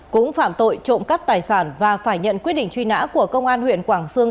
cũng phạm tội trộm cắp tài sản và phải nhận quyết định truy nã của công an huyện quảng sương